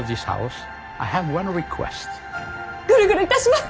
ぐるぐるいたします。